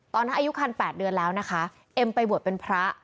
อายุคัน๘เดือนแล้วนะคะเอ็มไปบวชเป็นพระ